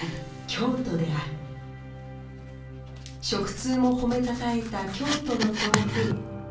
食通も褒めたたえた京都の豆腐。